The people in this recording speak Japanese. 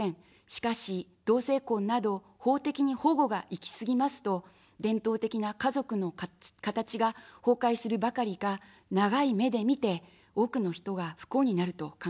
しかし、同性婚など、法的に保護が行き過ぎますと、伝統的な家族の形が崩壊するばかりか、長い目で見て、多くの人が不幸になると考えます。